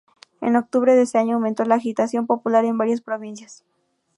En octubre de ese año aumentó la agitación popular en varias provincias.